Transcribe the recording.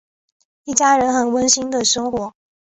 一家人很温馨的生活。